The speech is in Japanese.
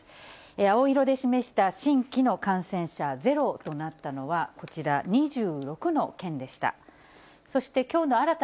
青色で示した新規の感染者０となったのは、こちら２６の県でした。